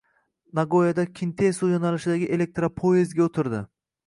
Nagoyada Kintesu yo`nalishidagi elektropoezdga o`tirdi